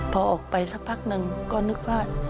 พอออกไปสักพักหนึ่งก็นึกว่า